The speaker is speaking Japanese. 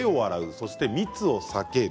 そして密を避ける。